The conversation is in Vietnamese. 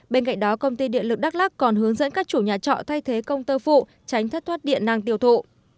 bên cạnh đó công ty điện lực đắk lắc còn hướng dẫn các chủ nhà trọ thay thế công tơ phụ tránh thất thoát điện năng tiêu thụ